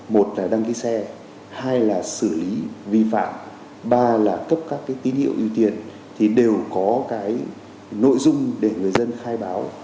một là đăng ký xe hai là xử lý vi phạm ba là cấp các cái tín hiệu ưu tiên thì đều có cái nội dung để người dân khai báo